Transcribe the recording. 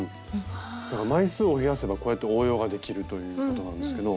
だから枚数を増やせばこうやって応用ができるということなんですけど。